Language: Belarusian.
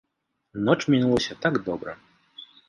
Ноч мінулася так добра.